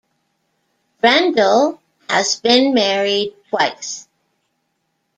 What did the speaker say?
Brendel has been married twice.